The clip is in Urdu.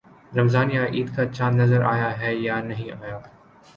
رمضان یا عید کا چاند نظر آیا ہے یا نہیں آیا